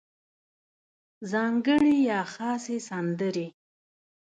ځانګړې یا خاصې سندرې